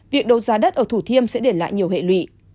việc đấu giá đất ở thủ thiêm sẽ để lại nhiều hệ lụy